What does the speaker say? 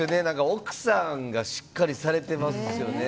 奥さんがしっかりされてますよね。